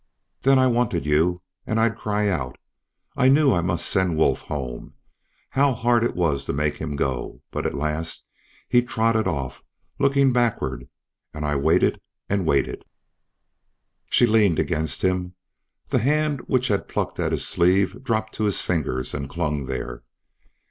Then I wanted you, and I'd cry out. I knew I must send Wolf home. How hard it was to make him go! But at last he trotted off, looking backward, and I waited and waited." She leaned against him. The hand which had plucked at his sleeve dropped to his fingers and clung there.